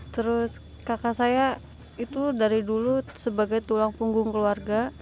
terus kakak saya itu dari dulu sebagai tulang punggung keluarga